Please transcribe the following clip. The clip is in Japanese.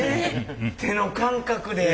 手の感覚で。